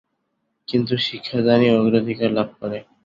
কিন্তু শিক্ষাদানই অগ্রাধিকার লাভ করে।